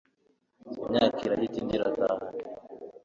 imyaka irahita indi irataha